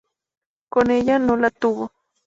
Con ella no la tuvo.